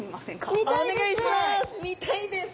お願いします！